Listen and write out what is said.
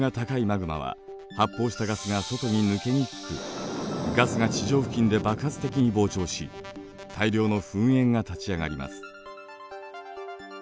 マグマは発泡したガスが外に抜けにくくガスが地上付近で爆発的に膨張し大量の噴煙が立ち上がります。